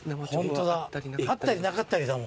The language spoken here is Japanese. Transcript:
ホントだ「あったりなかったり」だもん。